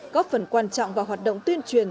có phần quan trọng vào hoạt động tuyên truyền